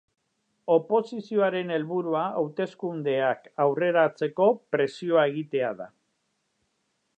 Oposizioaren helburua hauteskundeak aurreratzeko presioa egitea da.